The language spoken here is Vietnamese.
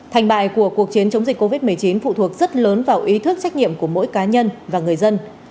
thành bại của cuộc chiến chống dịch covid một mươi chín phụ thuộc rất lớn vào ý thức trách nhiệm của mỗi cá nhân và người dân